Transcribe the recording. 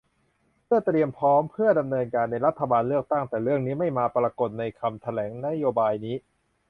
เพื่อเตรียมพร้อม เพื่อดำเนินการในรัฐบาลเลือกตั้ง แต่เรื่องนี้ไม่มาปรากฎในคำแถลงนโยบายนี้